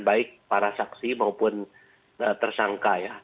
baik para saksi maupun tersangka ya